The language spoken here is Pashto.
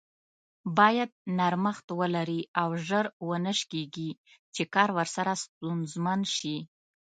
بايد نرمښت ولري او زر و نه شکیږي چې کار ورسره ستونزمن شي.